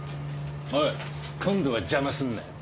おい今度はジャマすんなよ。